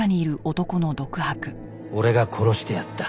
俺が殺してやった